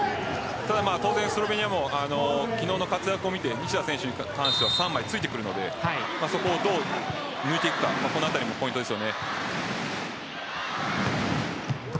当然スロベニアも昨日の活躍を見て西田選手に３枚ついてくるのでそこをどう抜いていくかもポイントです。